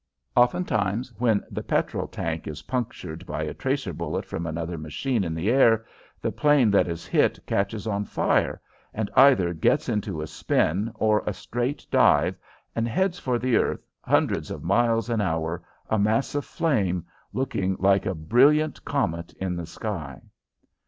Oftentimes, when the petrol tank is punctured by a tracer bullet from another machine in the air, the plane that is hit catches on fire and either gets into a spin or a straight dive and heads for the earth, hundreds of miles an hour, a mass of flame, looking like a brilliant comet in the sky.